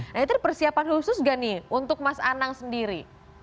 nah itu persiapan khusus nggak nih untuk mas anang sendiri